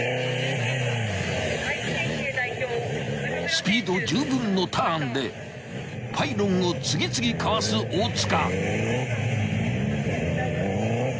［スピードじゅうぶんのターンでパイロンを次々かわす大塚］